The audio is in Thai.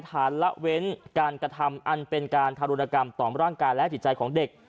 ละเว้นการกระทำอันเป็นการทารุณกรรมต่อร่างกายและจิตใจของเด็ก